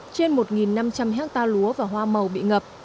trên một năm trăm linh hectare lúa và hoa màu bị ngập